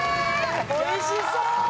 おいしそう！